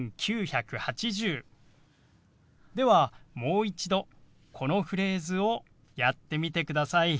ではもう一度このフレーズをやってみてください。